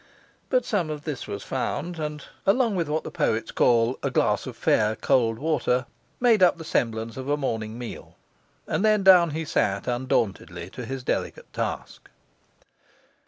But some of this was found, and (along with what the poets call a glass of fair, cold water) made up a semblance of a morning meal, and then down he sat undauntedly to his delicate task.